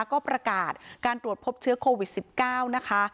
ก็ประกาศการตรวจพบเชื้อโควิด๑๙นะคะ